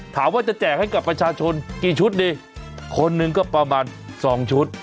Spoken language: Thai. ถามว่าจะแจกให้กับประชาชนกี่ชุดดีคนหนึ่งก็ประมาณ๒ชุด